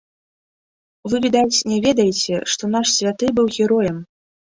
Вы, відаць, не ведаеце, што наш святы быў героем.